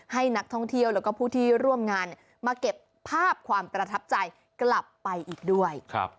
ให้นักท่องเที่ยวแล้วก็ผู้ที่ร่วมงานมาเก็บภาพความประทับใจกลับไปอีกด้วย